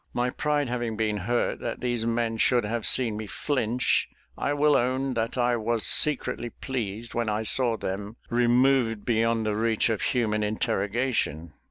My pride having been hurt that these men should have seen me flinch, I will own that I was secretly pleased when I saw them removed beyond the reach of human interrogation.